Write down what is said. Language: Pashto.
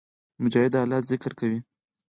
مجاهد د الله ذکر کوي.